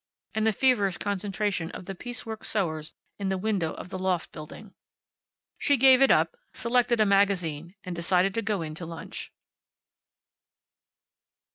And the feverish concentration of the piece work sewers in the window of the loft building. She gave it up, selected a magazine, and decided to go in to lunch.